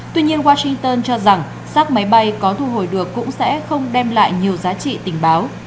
tuy nhiên washington cho rằng sát máy bay có thu hồi được cũng sẽ không đem lại nhiều giá trị tình báo